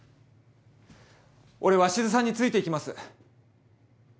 俺鷲津さんについていきます。